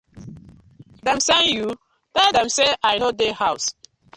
Dem send you? tell dem say I no dey house.